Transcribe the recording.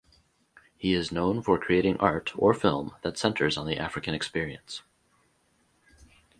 He is known for creating art or film that centers on the African experience.